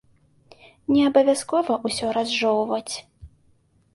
Не абавязкова ўсё разжоўваць.